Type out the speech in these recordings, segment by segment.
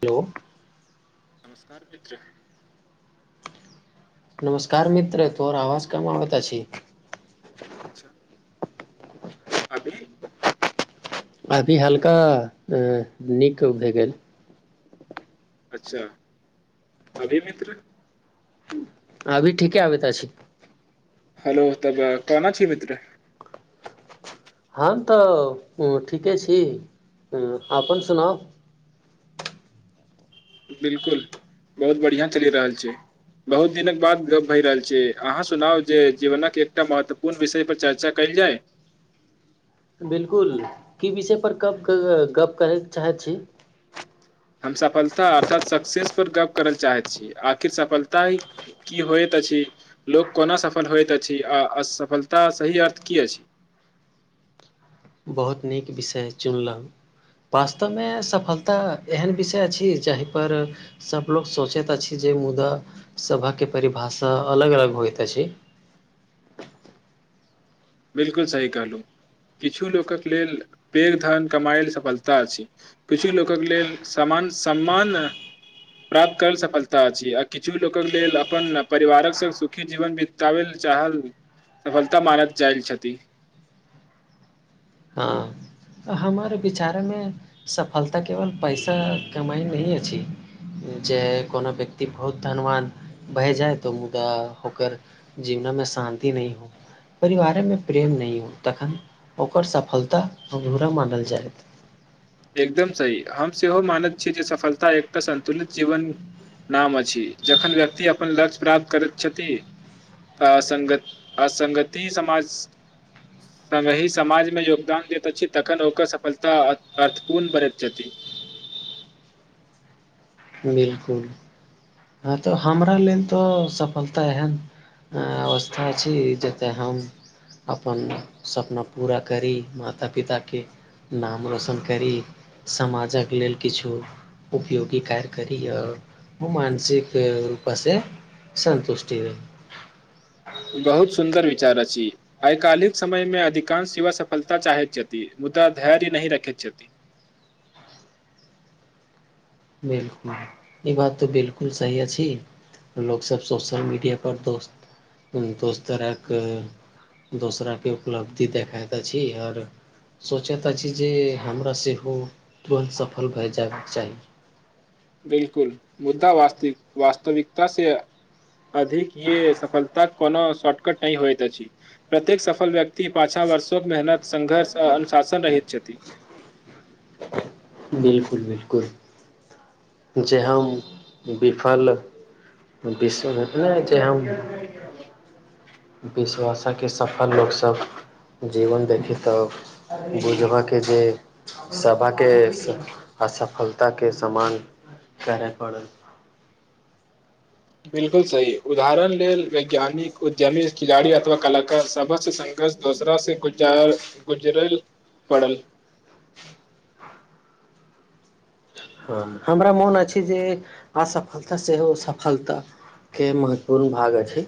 hello नमस्कार मित्र नमस्कार मित्र तोहर आवाज काम आबत अछी अच्छा अभी अभी हल्का अ नीक भेए गेल अच्छा अभी मित्र अभी ठीके आ तऽ आबै अछि हेलो तब कह छी मित्र हम तऽ ठीके छी अपन सुनाउ [inaudible] बिलकुल बहुत बढ़िआँ चलि रहल छै बहुत दिनक बाद गप भय रहल छै अहाँ सुनाउ जे जीवनक एकटा महत्वपूर्ण विषय पर चर्चा कै म जाय बिलकुल की विषय पर‌ गप गप करय चाहै छी हम सफलता अर्थात सक्सेस पर गप्प कर ल चाहैत छी आखिर सफलता की होय त अछि लोक कोना सफल होइत अछि आ असफलता सही अर्थ की अछि [inaudible] बहुत नीक विषय चुनलहुँ वास्तवमे सफलता एहन विषय अछि जाहि पर सभलोग सोचैत अछि जे मुदा सभा के परिभाषा अलग अलग होइत छै [inaudible] बिलकुल सही कहलू किछु लोकक लेल पेघ धन कमाायल सफलता अछि किछु लोकक लेल समाज अपन सम्मान प्राप्त करल सफलता अछि आ किछु लोकक लेल अपन परिवारक संग सुखी जीवन बितायल चाहल सफलता मानत जाइल हँ हमर विचार में सफलता केवल पैसा कमाइ नहि अछि जे कोनो व्यक्ति बहुत धनवान बहि जाय तऽ मुदा ओकर जीवन मे शान्ति नहि हो परिवार में प्रेम नहि हो तखन ओकर सफलता ओ जूरा मडल जाइत एकदम सही हम सेहो मानैत छीय जे सफलता एकटा सन्तुलित जीवन नाम अछि जखन व्यक्ति अपन लक्ष्य प्राप्त करैत छथि संगत असगति समाज त वी समाजमे योगदान देता छी तखन होकर सफलता अर्थ कोूर्ण बरैत छथिति बिलकुल हँ तऽ हमरा लेल तो सफलता ह ह अवस्था छै जतय हम अपन सपना पूरा करी माता पिता के नाम रोशन करी समाजक लेल किछो उपयोगी कार करी और ओ सी रूप से सन्तुष्टि रह बहुत सुन्दर वि रची आइकालिक समय मे अधिकांश युवा सफलता चाहैत छथि मुदा धैर्य नहि रखैत चती बिलकुल ई बात तऽ बिलकुल सही अछि लोक सब सोशल मीडिया पर दोस्त दोस्तरक दोसराके उपलब्धि देखइत छी आओर सोचइत छि जे हमरा सेहो तुरन्त सफल भए जायबाक चाही बिलकुल मुद्दा वास्तिक वास्तविकता से अधिक य सफलता कोनो शॉर्टकट नहि होइत अछि प्रत्येक सफल व्यक्ति पाछा वर्षोक मेहनत संघर्ष आ अनुशासन रहैत छथि बिल्कुल बिल्कुल जे हम विफल विशव चै हम विश्वासे सफल लोकसभ जीवन देखी तब बुझबअके जे सभाके असफलता पत्ताके समान करय पड़ल बिलकुल सही उदाहरण लेल वैज्ञानिक उद्यमी खिलाड़ी अथवा कलाकार सभसँ सघर्ष दोसरा से गुजार गुजरल पड़ल हँ हमरा मोन अछि जे असफलता सेहो सफलता के महत्वपूर्ण भाग अछि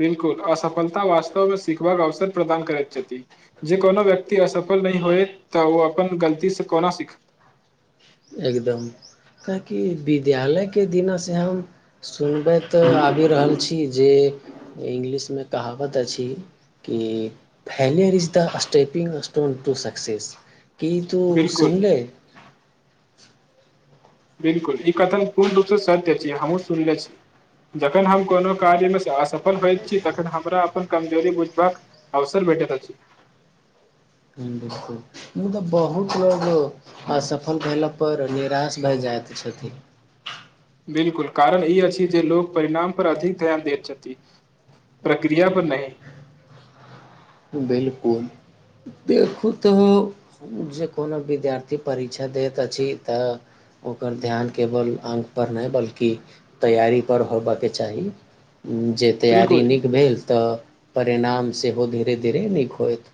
बिलकुल असफलता वास्तवमे सिखबाक अवसर प्रदान करैत छथि जे कोनो व्यक्ति असफ नहि होए तऽ ओ अपन गलती सँ कोना सीख एकगदम काहेकि विद्यालयके दिना से हम सुनबैत त आबि रहल छी जे इंग्लिश मे कहावत अछि की failure is the stepping stone to success कि तू बिल्कुल सुनले बिलकुल ई कथन पूर्ण रूप स सत्य छीयै हमहुँ सुनले छी जखन हम कोनो कार्यमे असफल होइत छी तखन हमरा अपन कमजोरी बुझबाक अवसर भेटयत अछि हू मुदा बहुत लोग असफल भेल पर निराश भए जाइत छथि बिलकुल कारण ई अछि जे लोक परिणाम पर अधिक ध्यान दैत छथि प्रक्रिया पर नहि बिलकुल देखू तऽ जे कोनो विद्यार्थी परीक्षा दैत अछि तऽ ओकर ध्यान केवल अंकपर नहि बल्कि तैयारीपर होबअके चाही जे तैयारी बिलकुल नीक भेल तऽ परिणाम सेहो धीरे धीरे धीरे नीक होयत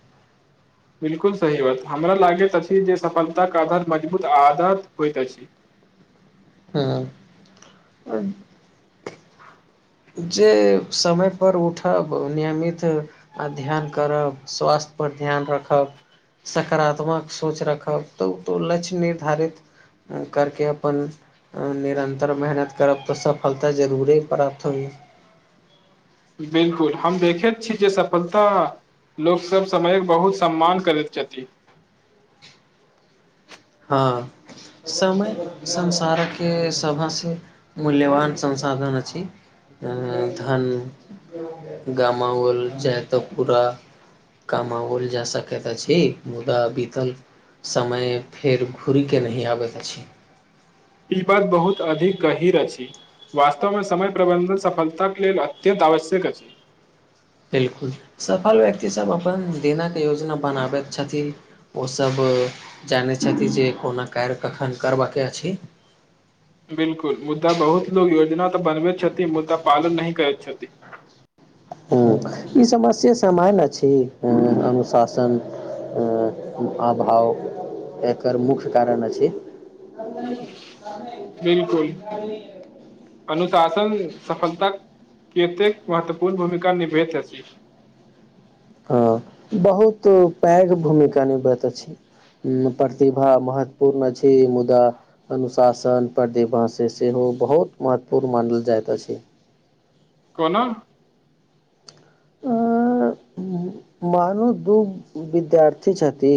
बिलकुल सही बात हमरा लागैत अछि जे सफलताके आधार मजबूत आदत होइत अछि [inaudible] हँ जे समय पर उठब नियमित ध्यान करब स्वास्थ पर ध्यान रखब सकारात्मक सोच रखब तऽ ओ तऽ लक्ष्य निर्धारित करके अपन निरन्तर मेहनत करब तऽ सफलता जरूुरे पड़ थौ बिलकुल हम देखैत छी जे सफलता लोक सब समय बहुत सम्मान करैत छथि हँ समय संसारके सभसँ मूल्यवान संसाधन अछि धन गामओल जा तऽ पूरा कमाओल जा सकैत अछि मुदा बीतल समय फेर घुरिके नहि आबैत अछि पिपाद बहुत अधिक गहिीर अ अछि वास्तवमे समय प्रबन्धन सफलता के लेल अत्यन्त आवश्यक अछि बिलकुल सफल व्यक्ति सब अपन दिनक योजना बनाबैत छथिन ओसभ त जानै छथि जे कोनो कारय कखन करबाक के अछि [inaudible] बिलकुल मुद्दा बहुत लोग योजना तऽ बनबैत छथि मुद्दा पालन नहि करैत छथि [unintelligible] ह ई समस्या समयल छी अनुशासन अभाव एकर मुख्य कारण अछि बिल्कुल [unintelligible] सफल सफलता के एतेक महत्वपूर्ण भूमिका निभेैत अछि हँ बहुत पैघ भूमिका निभैत अछि प्रतिभा महत्वपूर्ण छै मुदा अनुशासन प्रतिभा से सेहो ओ बहुत महत्वपूर्ण मानल जाइत अछि कोना [inaudible] मानू दू विद्यार्थी छथि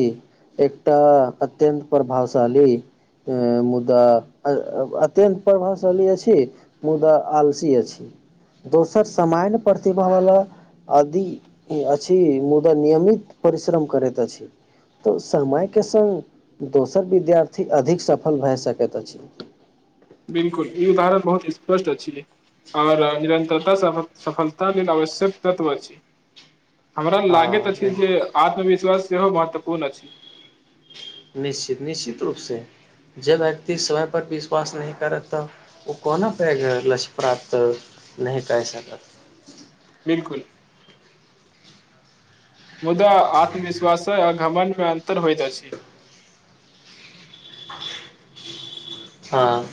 एकटा अत्यन्त प्रभावशाली अ मुदा अ अ अत्यन्त प्रभावशाली अछि मुदा आलसी अछि दोसर समायन प्रति भावला आदि अ अछि मुदा नियमित परिश्रम करैत अछि तऽ समयके संगङ्ग दोसर विद्यार्थी अधिक सफल भए सकैत अछि बिलकुल ई उदाहरण बहुत स्पष्ट अछिै आओर निरन्तरता सफलता लेल आवश्यक तत्व अछि हमरा हँ लागैत अछि बिलकुल जे आत्मविश्वास सेहो महत्वपूर्ण अछि निश्चित निश्चित रूपसँ जे व्यक्ति समय पर विश्वास नहि करत ओ कोना पैघ लछ्य प्राप्त करत नहि तऽऐसा त बिलकुल मुदा आत्मविश्वास आ घमनमे अन्तर होइत अछि हँ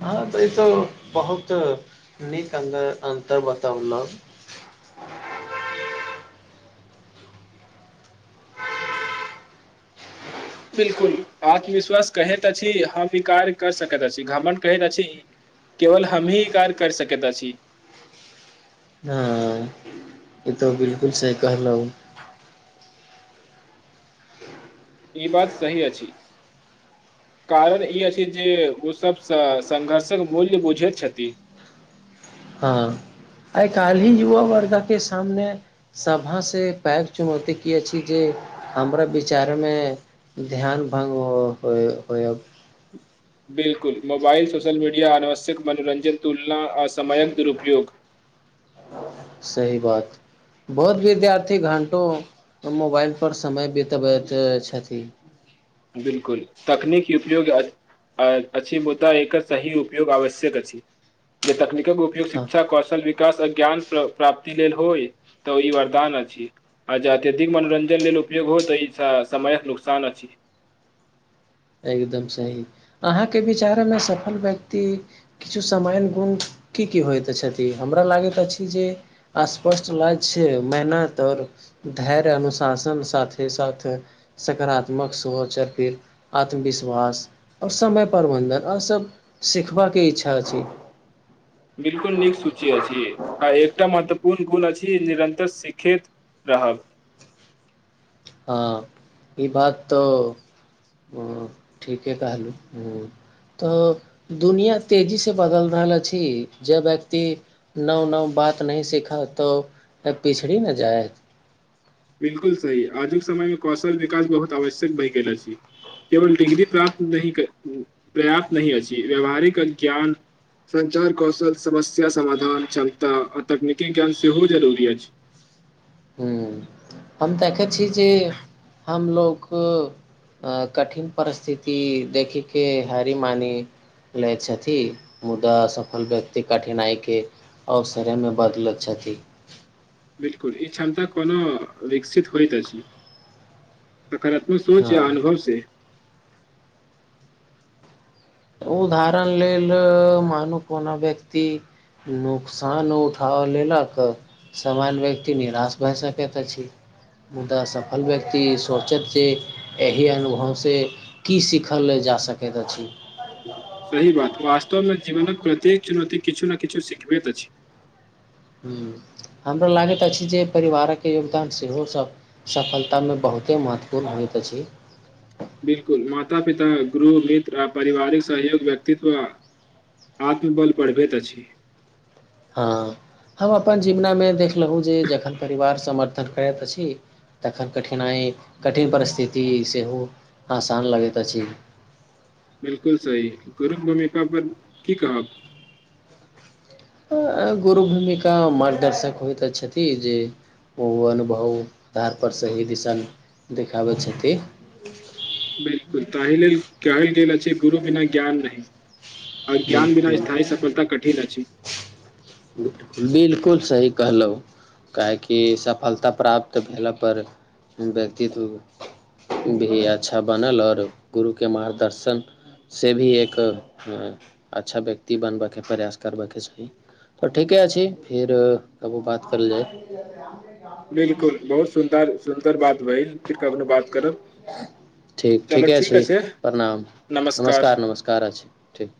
हँ तऽ ई त बहुत नीक अर अन्तर बताउल [unintelligible] बिलकुल आत्मविश्वास कहैत अछि हम म्वीकार कर सकैत अछि घ्रमण कहैत अछि केवल हमीह इ कार कर सकत अछि हँ ई तऽ बिलकुल सही कहलहु ई बात सही अछि कारण ई अछि जे ओ सभसँ संघर्षक मूल्य बुझैत छथि हँ आइ कालहि युवा वर्ग के सामने सभा से पैघ चुनौती की अछी जे हमरा विचारमे ध्यान भंग हो हो होयव बिलकुल मोबाइल सोशल मीडिया अनावश्यक मनोरञजन तुलना ला असमयक दुरुपयोग सही बात बहुत विद्यार्थी घंटो मोबाइल पर समय बितब छथि बिलकुल तकनिकी उपयोग अछि मुदा एकर सही उपयोग आवश्यक अछि जे तकनीक उपयोग हँ शिक्षा कौशल विकास अ ज्ञान प्राप्ति लेल होय तऽ ई वरदान अछि आर अत्यधिक मनोरंजन लेल उपयोग हो त ई समय नुकसान अछि एकदम सही अहाँके विचारमे सफल व्यक्ति किछु समान गुण की की होइत छथि हमरा लागैत अछि जे स्पष्ट लाज छै मेहनत आ ओर धैर्य अनुशासन साथे साथे सकारात्मक सेहो‌ चरप आत्मविश्वास आ और समय प्रबन्धन आ ओरसभ सिखबाके इच्छा छै बिलकुल नीक सूची अछि आ एकटा महत्वपूर्ण गुण अछि निरन्तर सिखैत रहब [inaudible] हँ ई बात त ह ठीके कहलू ह तऽ दुनिया तेजी से बदल रहल अछि जे व्यक्ति नव नव ब बातही सीखा तो पिछड़ी न जायत बिलकुल सही आजुक समय मे कौशल विकास बहुत आवश्यक भहि गेल छै केवल डिग्री प्राप्त पर्याप्त नहि अछि व्याववहारिक ज्ञान संचार कौशल समस्या समाधान क्षमता आ तकनीकी ज्ञान सेहो जरूरी अछि [inaudible] ह्म हम देखैत छी जे हमलोक अ कठिन परिस्थिति देख के हारी मान लैत छथि मुदा अ सफल व्यक्ति कठिनाइ के अवसरेमे बदलैत छथि बिलकुल ई क्षमता कोनो विकसित होइता अछी सकारात्मक सोच या हँ अनुभव से उदाहरण लेल मानू कोना व्यक्ति नुकसान उठा लेलक सामान व्यक्ति निराश भए सकैत अछि मुदा सफल व्यक्ति सोचत जे एहि अनुभवसँ की सीखल अछि जा सकैत अछि सही बात वास्तवमे जीवनक प्रत्येक चुनौती किछु ने किछु सिखबैत अछि ह हमरा लागैत अछि जे परिवारक योगदान सेहो सब सफलता मे बहुत ओते महत्वपूर्ण होइत अछि बिलकुल माता पिता गुरु मित्र आपारिवारिक सहयोग व्यक्तित्व आत्मबल बढ़बैत अछि हँ हम अपन जीवनामे देखलहुँ जे जखन परिवार समर्थन करैत अछि तखन कठिनाइ कठिन परिस्थिति सेहो आसान लगैत अछि बिलकुल सही करु मम्मी पापा कि कहब गुरु भूमिका मार्गदर्शक होइत छथि जे ओ अनुभव धारपर सही दिसन बिलकुल तहि लेल कहल गेल अछि गुरु बिना ज्ञान नहि अज्ञान बिना बिलकुल स्थायी सफलता कठिन अछि बिलकुल सही कहलहु काहे कि सफलता प्राप्त भेलपर व्यक्तित्व भी अच्छा बनल आओर गुरुके मार्गदर्शन से भी एक अच्छा व्यक्ति बनबयके प्रयास करबयके चाही‌ तऽ ठीके छी फिर तब बात करल जाय बिलकुल बहुत सुन्दर सुन्दर बात भेलहि फिर कखनो बात करब [inaudible] ठीक चलू ठीके ठीक छी अछि प्रणाम नमस्कार नमस्कार अछि ठीक